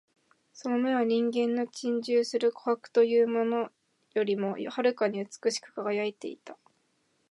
その眼は人間の珍重する琥珀というものよりも遥かに美しく輝いていた